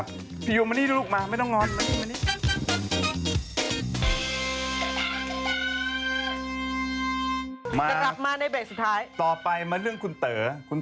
บอกนี่กล้องสีแดงอีกลูก